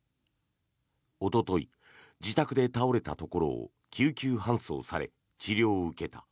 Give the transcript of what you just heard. おととい、自宅で倒れたところを救急搬送され、治療を受けた。